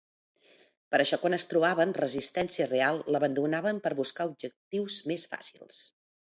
Per això quan es trobaven resistència real l'abandonaven per buscar objectius més fàcils.